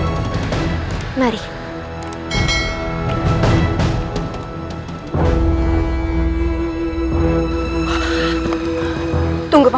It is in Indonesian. lebih baik sekarang kita jalankan rencana kita